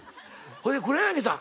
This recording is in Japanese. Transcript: それで黒柳さん